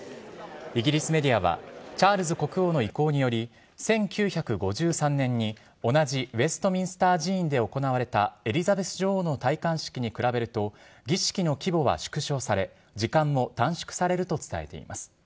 イギリスメディアはチャールズ国王の意向により１９５３年に同じウェストミンスター寺院で比べると儀式の規模は縮小され時間も短縮されると伝えています。